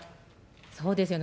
そうですよね、